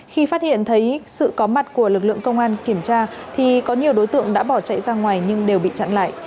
khi phát hiện thấy sự có mặt của lực lượng công an kiểm tra thì có nhiều đối tượng đã bỏ chạy ra ngoài nhưng đều bị chặn lại